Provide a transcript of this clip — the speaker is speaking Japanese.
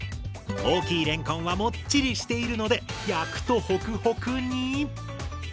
大きいレンコンはもっちりしているので焼くとホクホクに！